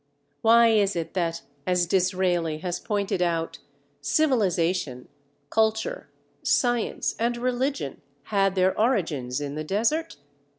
Why is it that, as Disraeli has pointed out, civilization, culture, science, and religion had their origins in the desert?